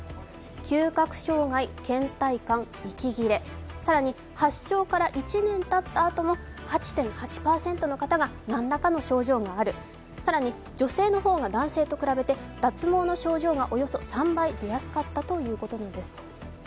嗅覚障害、倦怠感息切れ、更に発症から１年たったあとも８．８％の方が何らかの症状がある更に女性の方が男性と比べて脱毛の症状がおよそ３倍出やすかったということなんです。